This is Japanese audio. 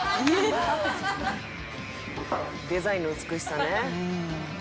「デザインの美しさね」